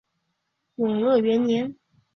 永乐元年。